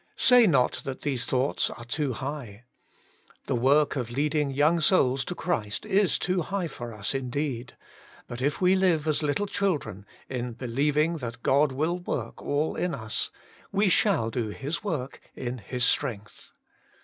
Say not that these thoughts are too high. The work of leading young souls to Christ is too high for us indeed, but if we live as 6o Working for God little children, in believing that God will work all in us, we shall do His work in His strength.